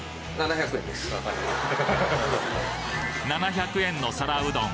７００円の皿うどん。